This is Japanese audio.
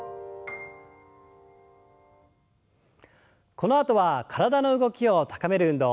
このあとは体の動きを高める運動。